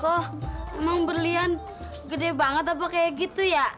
kok emang berlian gede banget apa kaya gitu ya